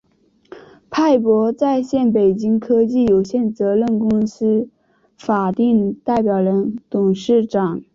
派博在线（北京）科技有限责任公司法定代表人、董事长